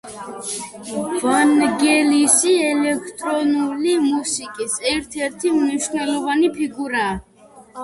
ვანგელისი ელექტრონული მუსიკის ერთ-ერთი მნიშვნელოვანი ფიგურაა.